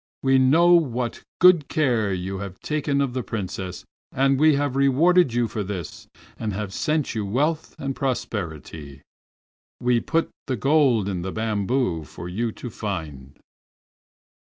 We know what good care you have taken of the Princess, and we have rewarded you for this and have sent you wealth and prosperity. We put the gold in the bamboos for you to find."